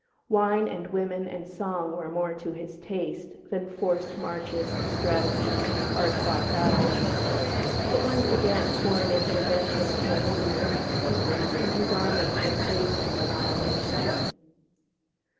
Wine and women and song were more to his taste than forced marches, strategy, and hard fought battles. But once again foreign intervention came to his rescue; and his armies were saved from annihilation.